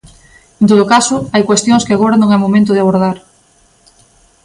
En todo caso, hai cuestións que agora non é o momento de abordar.